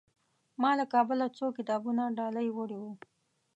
ما له کابله څو کتابونه ډالۍ وړي وو.